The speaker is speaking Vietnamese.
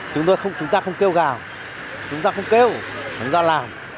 chúng ta không kêu gào chúng ta không kêu chúng ta làm